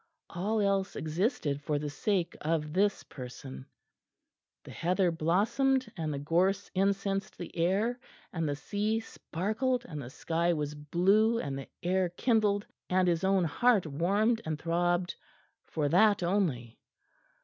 All else existed for the sake of this person; the heather blossomed and the gorse incensed the air, and the sea sparkled, and the sky was blue, and the air kindled, and his own heart warmed and throbbed, for that only.